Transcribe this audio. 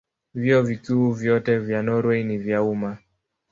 Vyuo Vikuu vyote vya Norwei ni vya umma.